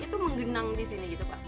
itu menggenang di sini gitu pak